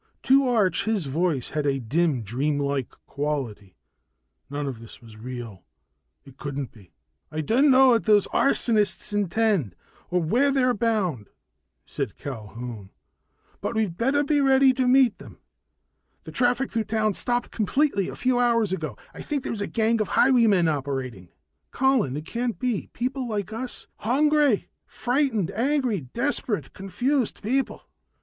To Arch, his voice had a dim dreamlike quality, none of this was real, it couldn't be. "I don't know what those arsonists intend or where they're bound," said Culquhoun, "but we'd better be ready to meet them. The traffic through town stopped completely a few hours ago I think there's a gang of highwaymen operating." "Colin, it can't be! Plain people like us " "Hungry, frightened, angry, desperate, confused people.